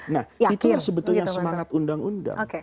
nah itulah sebetulnya semangat undang undang